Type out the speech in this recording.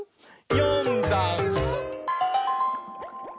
「よんだんす」